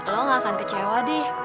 lo gak akan kecewa deh